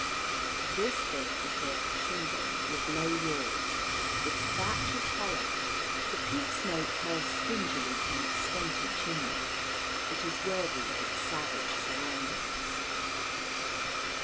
This thing is built of shingle, with low walls. Its thatch is hollow; the peat smoke curls stingily from its stunted chimney. It is worthy of its savage surroundings.